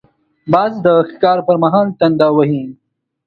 باز د ښکار پر مهال تنده هم زغمي